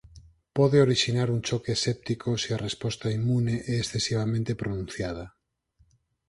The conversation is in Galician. Pode orixinar un choque séptico se a resposta inmune é excesivamente pronunciada.